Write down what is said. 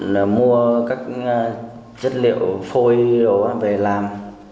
là mua các chất liệu phôi về làm